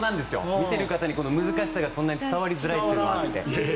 見ている方に難しさがそんなに伝わりづらいという。